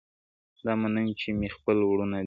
دا منم چي مي خپل ورڼه دي وژلي-